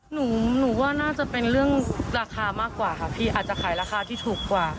หนูหนูว่าน่าจะเป็นเรื่องราคามากกว่าค่ะพี่อาจจะขายราคาที่ถูกกว่า